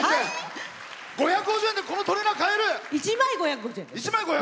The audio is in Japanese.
５５０円でこのトレーナー買える？